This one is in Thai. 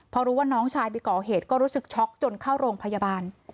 พอรู้ว่าน้องชายไปก่อเหตุก็รู้สึกช็อกจนเข้าโรงพยาบาล